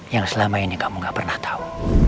yang selama ini kamu gak pernah tahu